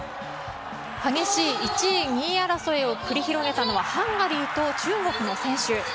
激しい１位２位争いを繰り広げたのはハンガリーと中国の選手。